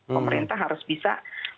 pemerintah harus bisa